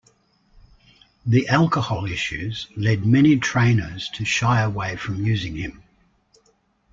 The alcohol issues led many trainers to shy away from using him.